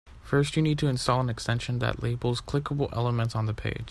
First, you need to install an extension that labels clickable elements on the page.